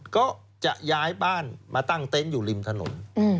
ก็จะย้ายบ้านมาตั้งเต็นต์อยู่ริมถนน